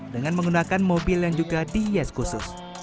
dengan menggunakan mobil yang juga dihias khusus